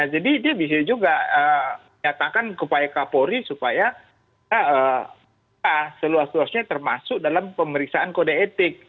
jadi dia bisa juga nyatakan kepada kapolri supaya seluas luasnya termasuk dalam pemeriksaan kode etik